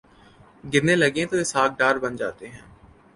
گرنے لگیں تو اسحاق ڈار بن جاتے ہیں۔